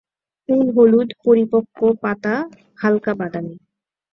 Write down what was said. ফুল হলুদ, পরিপক্ক পাতা হালকা বাদামি।